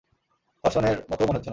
ধর্ষণের মতও মনে হচ্ছে না।